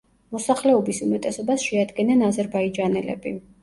მოსახლეობის უმეტესობას შეადგენენ აზერბაიჯანელები.